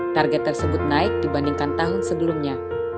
target tersebut naik dibandingkan tahun sebelumnya